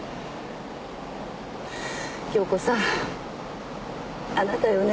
杏子さんあなたよね。